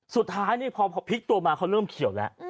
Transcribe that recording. สุดท้ายนี่พอพลิกตัวมาเขาเริ่มเขียวแล้ว